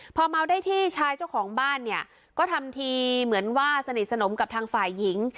พอเมาได้ที่ชายเจ้าของบ้านเนี่ยก็ทำทีเหมือนว่าสนิทสนมกับทางฝ่ายหญิง